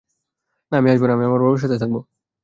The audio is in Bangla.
না, আমি আসবো না, আমি বাবার সাথে থাকব।